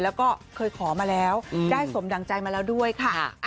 แล้วก็เคยขอมาแล้วได้สมดั่งใจมาแล้วด้วยค่ะ